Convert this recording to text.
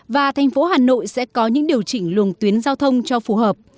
và thành phố hà nội sẽ có những điều chỉnh luồng tuyến giao thông cho phù hợp